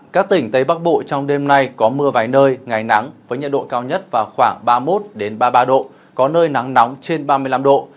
các tỉnh tây bắc bộ trong đêm nay có mưa vài nơi ngày nắng với nhiệt độ cao nhất vào khoảng ba mươi một ba mươi ba độ có nơi nắng nóng trên ba mươi năm độ